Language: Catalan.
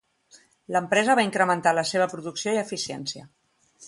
L'empresa va incrementar la seva producció i eficiència.